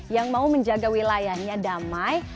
yang mau menjaga wilayahnya damai